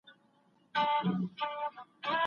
څېړونکی باید د ټولنپوهني په اصولو پوه وي.